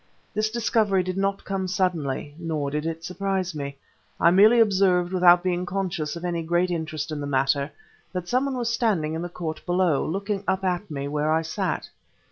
This discovery did not come suddenly, nor did it surprise me; I merely observed without being conscious of any great interest in the matter, that some one was standing in the court below, looking up at me where I sat.